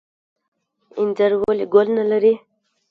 انځر ولې ګل نلري؟